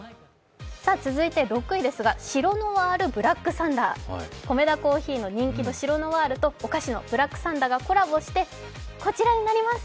続いて６位ですがシロノワールブラックサンダー、コメダ珈琲の人気のシロノワールとお菓子のブラックサンダーがコラボして、こちらになります。